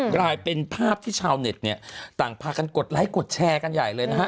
กลายเป็นภาพที่ชาวเน็ตเนี่ยต่างพากันกดไลค์กดแชร์กันใหญ่เลยนะฮะ